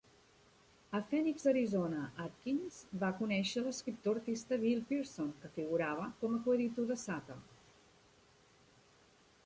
A Phoenix, Arizona, Adkins va conèixer l'escriptor-artista Bill Pearson, que figurava com a coeditor de "Sata".